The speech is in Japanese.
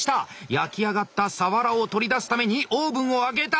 焼き上がったさわらを取り出すためにオーブンを開けた！